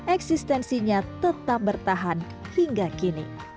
eksistensinya tetap bertahan hingga kini